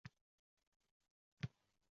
Faqat nechta yo'ldan o'tganingiz juda muhimdir.